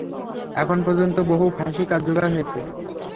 এখন পর্যন্ত বহু ফাঁসি কার্যকর হয়েছে?